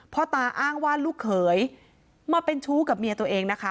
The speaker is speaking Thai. พ่อตาอ้างว่าลูกเขยมาเป็นชู้กับเมียตัวเองนะคะ